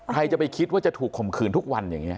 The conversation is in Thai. ใครจะไปคิดว่าจะถูกข่มขืนทุกวันอย่างนี้